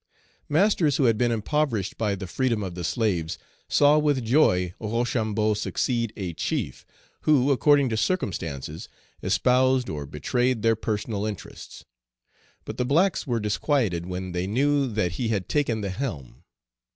Masters who had been impoverished by the freedom of the slaves saw with joy Rochambeau succeed a chief, who, according to circumstances, espoused or betrayed their personal interests. But the blacks were disquieted when they knew that he had taken the helm.